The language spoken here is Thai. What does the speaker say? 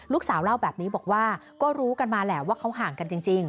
ลูกสาวเล่าแบบนี้บอกว่าก็รู้กันมาแหละว่าเขาห่างกันจริง